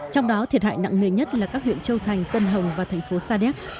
trong đó thiệt hại nặng nề nhất là các huyện châu thành tân hồng và thành phố sa đéc